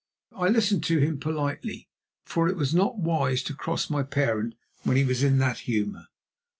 I listened to him politely, for it was not wise to cross my parent when he was in that humour.